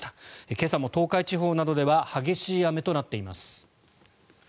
今朝も東海地方などでは激しい雨となっています。